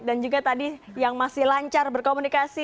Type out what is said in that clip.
dan juga tadi yang masih lancar berkomunikasi